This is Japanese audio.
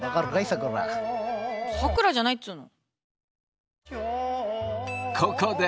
さくらじゃないっつうの。